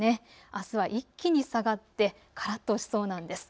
あすは一気に下がってからっとしそうなんです。